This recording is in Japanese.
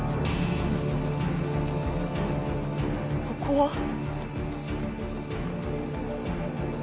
ここは？